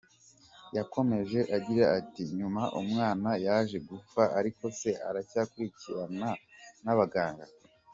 Yakomeje agira ati “Nyuma umwana yaje gupfa, ariko Se aracyakurikiranwa n’abaganga.